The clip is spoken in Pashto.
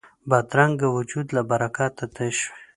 بدرنګه وجود له برکته تش وي